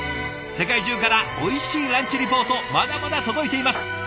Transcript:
世界中からおいしいランチリポートまだまだ届いています。